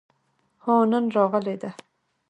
هو، نن راغلې ده